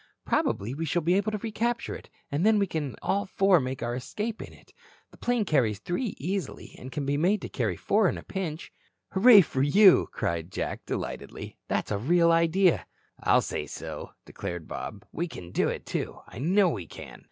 "Probably we shall be able to recapture it, and then we can all four make our escape in it. The 'plane carries three easily and can be made to carry four at a pinch." "Hurray for you," cried Jack, delightedly. "That's a real idea." "I'll say so," declared Bob. "We can do it, too. I know we can."